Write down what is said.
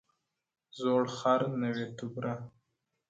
زوړ خر، نوې توبره.